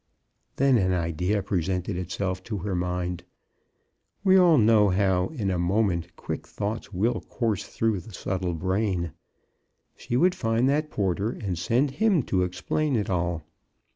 Then an idea presented itself to her mind. We all know how in a moment quick thoughts will course through the subtle brain. She would find that porter and send him to explain it all.